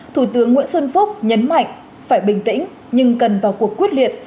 thủ tướng nguyễn xuân phúc nhấn mạnh phải bình tĩnh nhưng cần vào cuộc quyết liệt